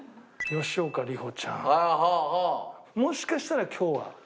もしかしたら今日は。